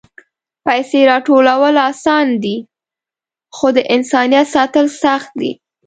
پېسې راټولول آسانه دي، خو د انسانیت ساتل سخت دي.